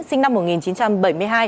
sinh năm một nghìn chín trăm bảy mươi hai